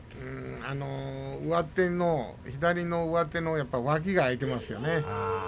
左の上手の脇が空いていますよね。